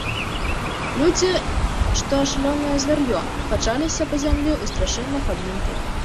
Людзі, што шалёнае звяр'ё, качаліся па зямлі ў страшэнных абнімках.